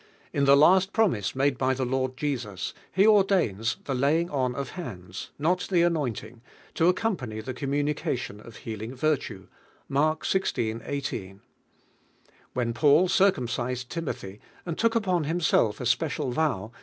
In the last promise made by the Lord Jesus, ne ordains the laving on of hands, not the anointing, to accom pany the communication of healing vir tue (Mark xvi. IS). When Paul circum cised Timothy and took upon himself a special vow.